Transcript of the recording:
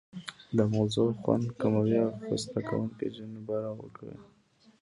د موضوع خوند کموي او خسته کوونکې جنبه ورکوي.